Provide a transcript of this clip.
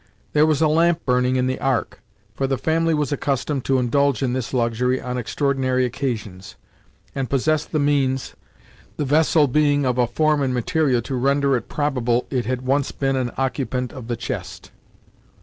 There was a lamp burning in the Ark, for the family was accustomed to indulge in this luxury on extraordinary occasions, and possessed the means, the vessel being of a form and material to render it probable it had once been an occupant of the chest.